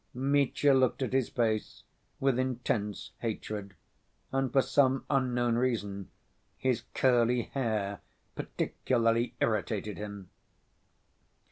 Mitya looked at his face with intense hatred, and for some unknown reason his curly hair particularly irritated him.